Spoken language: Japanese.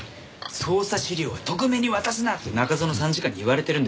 捜査資料は特命に渡すなって中園参事官に言われてるんですよ。